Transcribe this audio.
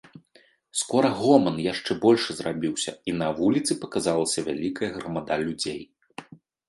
Скора гоман яшчэ большы зрабіўся, і на вуліцы паказалася вялікая грамада людзей.